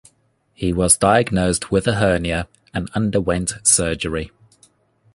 He was diagnosed with a hernia and underwent surgery.